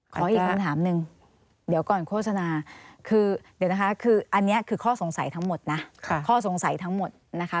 ขออีกหน้ามนึงเดี๋ยวก่อนโฆษณาค่อสงสัยทั้งหมดนะ